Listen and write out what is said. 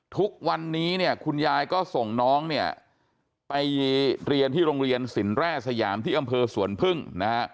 ทุกวันนี้เนี่ยคุณยายก็ส่งน้องเนี่ยไปเรียนที่โรงเรียนสินแร่สยามที่อำเภอสวนพึ่งนะฮะ